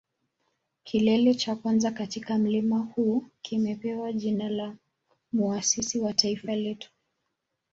Kilele cha kwanza katika mlima huu kimepewa jina la muasisi wa taifa letu